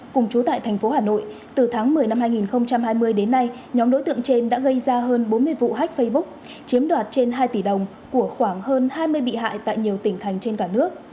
chiếm đoạt trên hai tỷ đồng của khoảng hơn hai mươi bị hại tại nhiều tỉnh thành trên cả nước